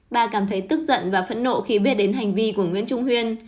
bà cảm thấy tức giận và phẫn nộ khi biết đến hành vi của nguyễn trung huyên